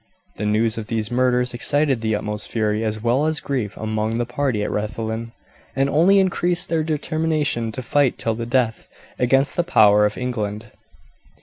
The news of these murders excited the utmost fury as well as grief among the party at Rathlin, and only increased their determination to fight till the death against the power of England.